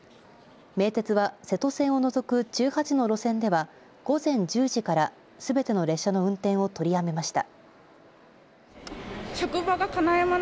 名鉄は瀬戸線を除く１８の路線では、午前１０時からすべての列車の運転を取りやめました。